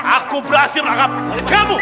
aku berhasil menangkap kamu